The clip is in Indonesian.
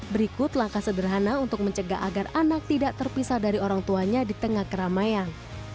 berikut langkah sederhana untuk mencegah agar anak tidak terpisah dari orang tuanya di tengah keramaian